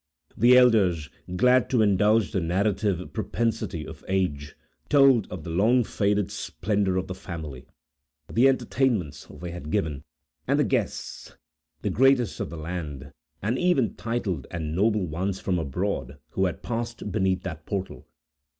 The elders, glad to indulge the narrative propensity of age, told of the long faded splendor of the family, the entertainments they had given, and the guests, the greatest of the land, and even titled and noble ones from abroad, who had passed beneath that portal.